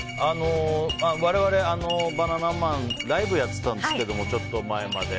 我々、バナナマンライブやってたんですけどちょっと前まで。